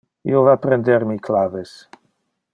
Io va a prender mi claves.